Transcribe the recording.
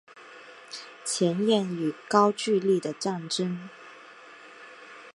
前燕与高句丽的战争